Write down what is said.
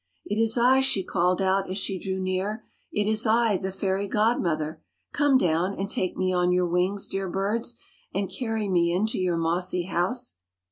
" It is I," she called out, as she drew near. " It is I, the fairy god mother. Come down, and take me on your wings, dear birds, and carry me into your mossy home."